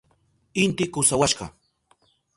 Inti kusawashka.